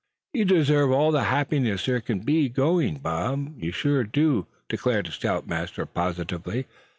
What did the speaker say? "You deserve all the happiness there can be going, Bob, sure you do," declared the scoutmaster, positively.